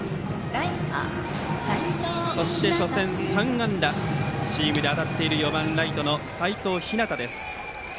そして初戦３安打チームで当たっているライトの齋藤陽です。